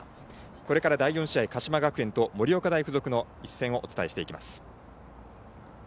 これから第４試合、鹿島学園と盛岡大付属の一戦をお伝えしていきます。